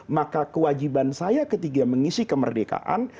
maka kewajiban saya ketika mengisi kemerdekaan